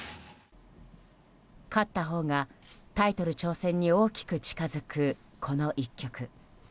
勝ったほうがタイトル挑戦に大きく近づく、この１局。